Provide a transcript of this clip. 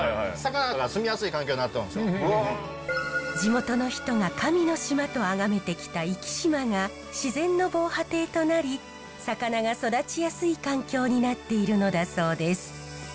地元の人が神の島とあがめてきた生島が自然の防波堤となり魚が育ちやすい環境になっているのだそうです。